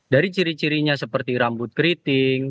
dari ciri cirinya seperti rambut keriting